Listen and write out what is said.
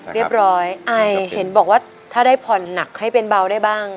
เรียบร้อยไอเห็นบอกว่าถ้าได้ผ่อนหนักให้เป็นเบาได้บ้าง